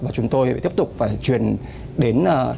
và chúng tôi tiếp tục phải chuyển đến